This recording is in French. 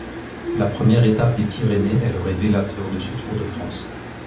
La première étape des Pyrénées est le révélateur de ce Tour de France.